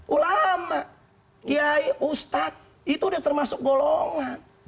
ulama kiai ustadz itu udah termasuk golongan